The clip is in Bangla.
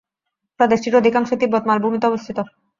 প্রদেশটির অধিকাংশই তিব্বত মালভূমিতে অবস্থিত।